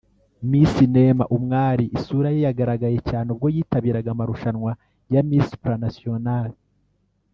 Miss Neema Umwali isura ye yagaragaye cyane ubwo yitabiraga amarushanwa ya Miss Supranational